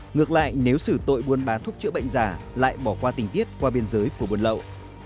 ngược lại nếu sử tội buôn bán thuốc chữa bệnh giả lại bỏ qua tình tiết qua biên giới của buôn lậu